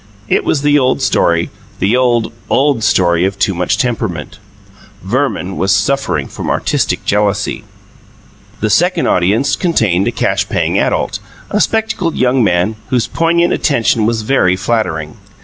It was the old story the old, old story of too much temperament: Verman was suffering from artistic jealousy. The second audience contained a cash paying adult, a spectacled young man whose poignant attention was very flattering.